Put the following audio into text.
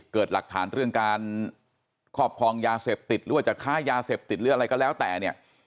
เกิดหลักฐานเรื่องการครอบครองยาเสพติดหรือว่าจะค้ายาเสพติดหรืออะไรก็แล้วแต่เนี่ย